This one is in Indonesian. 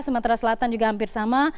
sumatera selatan juga hampir sama